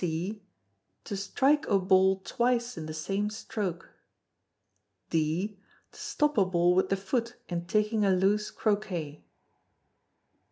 (c) To strike a ball twice in the same stroke. (d) To stop a ball with the foot in taking a loose Croquet.